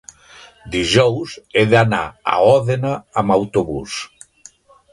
dijous he d'anar a Òdena amb autobús.